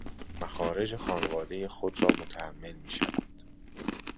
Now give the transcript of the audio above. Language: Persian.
مخارج خانوادۀ خودرا متحمل میشود